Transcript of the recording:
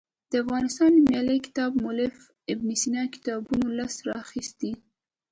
د افغانستان نومیالي کتاب مولف د ابن سینا کتابونو لست راخیستی.